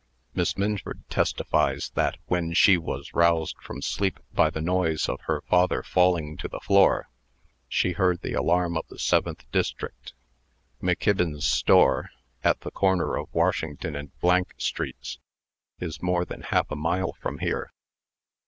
Miss Minford testifies, that when she was roused from sleep by the noise of her father falling to the floor, she heard the alarm for the Seventh District. McKibbin's store, at the corner of Washington and streets, is more than half a mile from here.